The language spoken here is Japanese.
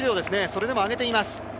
それでも上げています。